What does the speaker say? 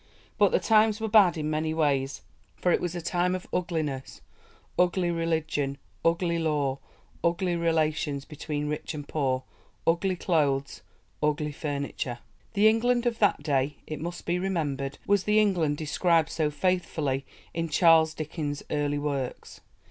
But the times were bad in many ways, for it was "a time of ugliness: ugly religion, ugly law, ugly relations between rich and poor, ugly clothes, ugly furniture." The England of that day, it must be remembered, was the England described so faithfully in Charles Dickens' early works.